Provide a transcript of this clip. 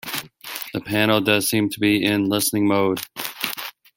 The panel does seem to be in listening mode.